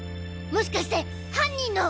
もしかして犯人の！？